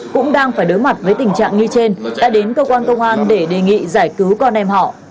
cũng đang phải đối mặt với tình trạng như trên đã đến cơ quan công an để đề nghị giải cứu con em họ